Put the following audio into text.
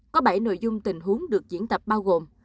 có bảy nội dung tình huống được diễn tập bao gồm